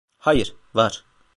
Hayır, var.